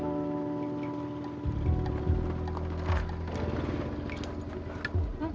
shara an deh kamu pagi pagi